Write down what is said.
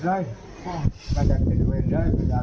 ไม่แล้วจะรอยทำวันทุกก่า